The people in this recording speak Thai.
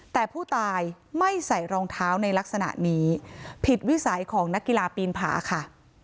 แต่ผู้ตายไม่ใส่รองเท้าในลักษณะนี้ผิดวิสัยของนักกีฬาปีนผาค่ะ